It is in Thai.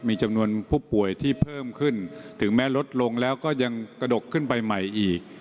มีจำนวนผู้ป่วยที่เพิ่มขึ้นถึงแม้ลดลงแล้วก็ยังกระดกขึ้นไปใหม่อีก